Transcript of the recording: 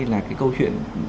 là cái câu chuyện